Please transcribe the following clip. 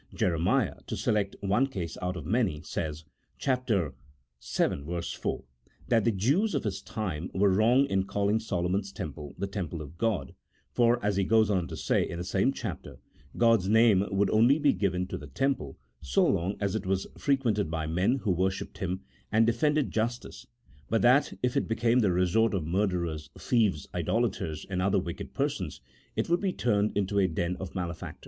Jeremiah (to select one case out of many) says (chap. vii. 4), that the Jews of his time were wrong in calling Solomon's Temple, the Temple of God, for, as he goes on to say in the same chapter, God's name would only be given to the Temple so long as it was fre quented by men who worshipped Him, and defended jus tice, but that, if it became the resort of murderers, thieves, idolaters, and other wicked persons, it would be turned into a den of malefactors.